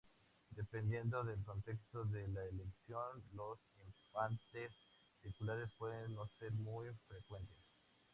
Dependiendo del contexto de la elección, los empates circulares pueden no ser muy frecuentes.